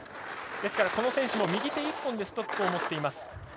この選手も右手１本でストックを持っています。